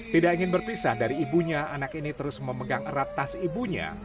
tidak ingin berpisah dari ibunya anak ini terus memegang erat tas ibunya